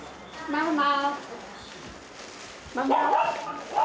ママ。